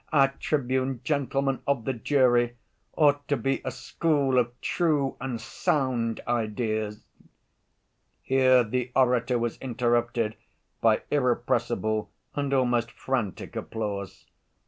Our tribune, gentlemen of the jury, ought to be a school of true and sound ideas." (Here the orator was interrupted by irrepressible and almost frantic applause.